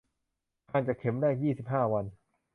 ห่างจากเข็มแรกยี่สิบห้าวัน